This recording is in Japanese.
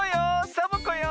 サボ子よ。